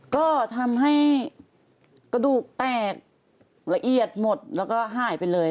ก็ทำให้กระดูกแตกละเอียดหมดแล้วก็หายไปเลย